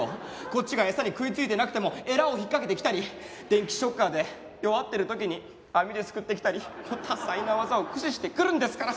こっちが餌に食いついてなくてもエラを引っかけてきたり電気ショッカーで弱ってる時に網ですくってきたり多彩な技を駆使してくるんですから。